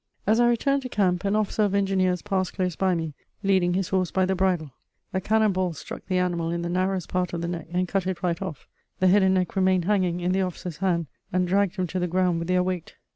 As I returned to camp, an officer of engineers passed close by me, leading his horse by the bridle; a cannon ball struck the animal in the narrowest part of the neck and cut it right off; the head and neck remained hanging in the officer's hand and dragged him to the ground with their weight.